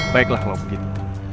baiklah kalau begitu